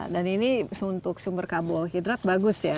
dan ini untuk sumber karbohidrat bagus ya